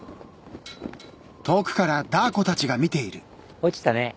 落ちたね。